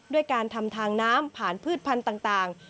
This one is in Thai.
ด้วยการทำทางน้ำผ่านพืชพันธุ์ต่าง